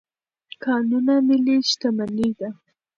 کانونه ملي شتمني ده.